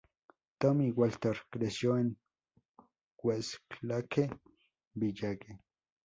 Tommy Walter creció en Westlake Village.